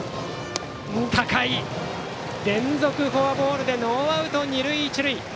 高い、連続フォアボールでノーアウト二塁一塁。